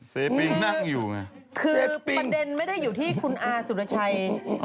ปิ้งนั่งอยู่ไงคือประเด็นไม่ได้อยู่ที่คุณอาสุรชัย